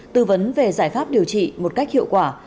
tư vấn về giải pháp điều trị một cách hiệu quả